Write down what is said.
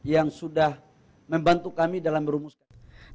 yang sudah membantu kami dalam merumuskan